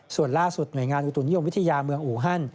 ส่วนล่าสุดหน่วยงานอุตุนิยมวิทยาเมืองอูฮัน